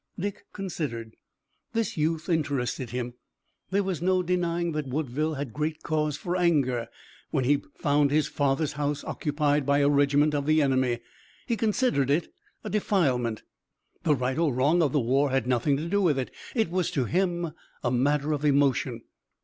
Dick considered. This youth interested him. There was no denying that Woodville had great cause for anger, when he found his father's house occupied by a regiment of the enemy. He considered it defilement. The right or wrong of the war had nothing to do with it. It was to him a matter of emotion.